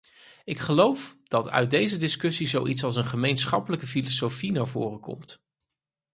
Ik geloof dat uit deze discussie zoiets als een gemeenschappelijke filosofie naar voren komt.